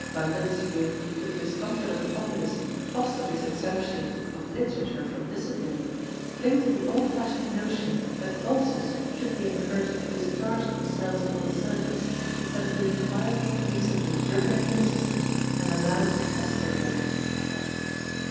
Pundits who, to the discomfort of the populace, foster this exemption of Literature from discipline, cling to the old fashioned notion that ulcers should be encouraged to discharge themselves upon the surface, instead of being quietly and decently driven into the system and allowed to fester there.